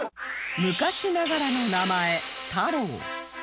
昔ながらの名前「たろう」